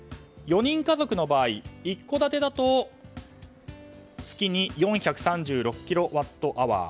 ４人家族の場合、１戸建てだと月に４３６キロワットアワー。